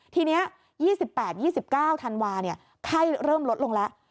ทีนี้๒๘๒๙ธันวาไข้เริ่มลดลงแล้ว